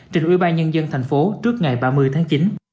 trình ủy ban nhân dân thành phố trước ngày ba mươi tháng chín